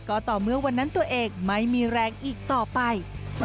ก็ต่อเมื่อวันนั้นตัวเองไม่มีแรงอีกต่อไป